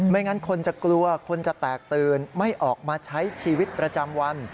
งั้นคนจะกลัวคนจะแตกตื่นไม่ออกมาใช้ชีวิตประจำวัน